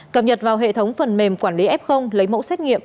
cập nhật vào hệ thống phần mềm quản lý f lấy mẫu xét nghiệm